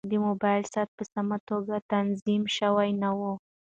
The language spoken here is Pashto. د موبایل ساعت په سمه توګه تنظیم شوی نه و.